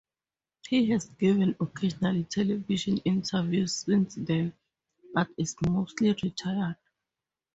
He has given occasional television interviews since then, but is mostly retired.